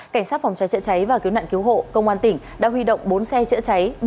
cảnh sát phòng cháy chữa cháy và cứu nạn cứu hộ công an tỉnh đã huy động bốn xe chữa cháy